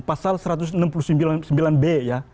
pasal satu ratus enam puluh sembilan b ya